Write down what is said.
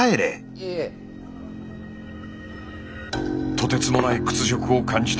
とてつもない屈辱を感じた